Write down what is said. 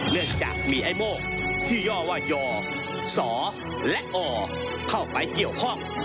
เนื่องจากมีไอ้โม่งชื่อย่อว่ายอสอและอเข้าไปเกี่ยวข้อง